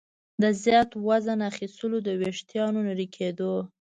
د زیات وزن اخیستلو، د ویښتانو نري کېدو